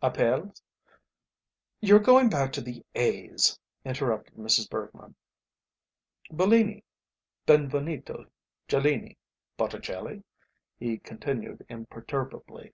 Apelles?" "You're going back to the A's," interrupted Mrs. Bergmann. "Bellini, Benvenuto Cellini, Botticelli?" he continued imperturbably.